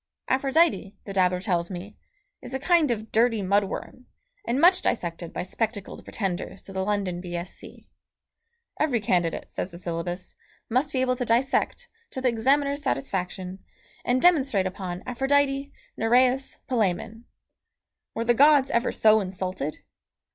Aphrodite, the dabbler tells me, is a kind of dirty mud worm, and much dissected by spectacled pretenders to the London B.Sc.; every candidate, says the syllabus, must be able to dissect, to the examiner's satisfaction, and demonstrate upon Aphrodite, Nereis, Palæmon. Were the gods ever so insulted?